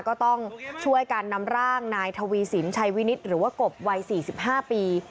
ก็ต้องช่วยการนำร่างนายทวีสินชัยวินิตหรือว่ากบวัย๔๕ปี